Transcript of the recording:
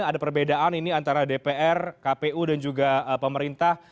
ada perbedaan ini antara dpr kpu dan juga pemerintah